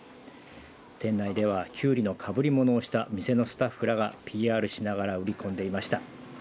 県内ではきゅうりのかぶり物をした店のスタッフらがＰＲしながら売り込んでいました。